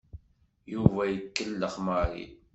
Yuba ikellex Mary.